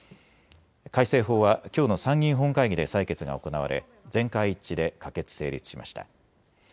改正法はきょうの参議院本会議で採決が行われ、全会一致で可決・成立しました。